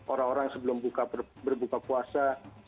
orang orang sebelum berbuka puasa